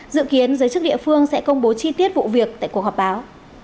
dự kiến giới chức địa phương sẽ công bố chi tiết vụ việc tại cuộc họp báo